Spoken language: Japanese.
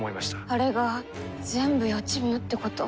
あれが全部予知夢ってこと？